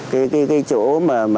cái chỗ mà